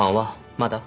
まだ？